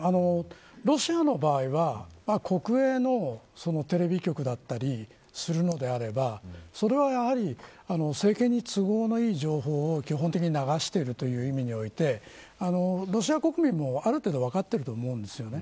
ロシアの場合は国営のテレビ局だったりするのであればそれは、やはり政権に都合のいい情報を基本的に流しているという意味においてロシア国民も、ある程度分かっていると思うんです。